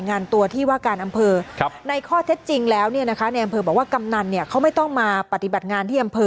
ในอำเภอบอกว่ากำนันเนี่ยเขาไม่ต้องมาปฏิบัติงานที่อำเภอ